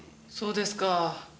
そうですか。